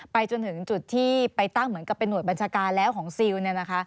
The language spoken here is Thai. จนถึงจุดที่ไปตั้งเหมือนกับเป็นห่วยบัญชาการแล้วของซิลเนี่ยนะคะ